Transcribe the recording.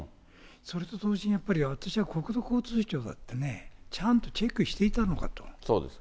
それと同時にやっぱり、私は国土交通省だってね、ちゃんとチェックしていたのかと。